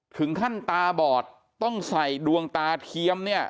ถึงขั้นตาบอดต้องใส่ดวงตาเทียมเนี่ย